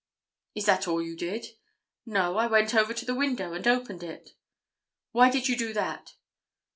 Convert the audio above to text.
"Is that all you did?" "No. I went over to the window and opened it." "Why did you do that?"